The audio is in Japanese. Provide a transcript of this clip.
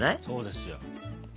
そうですよ。